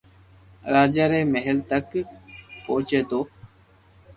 راجا ري مھل تڪ پوچي تو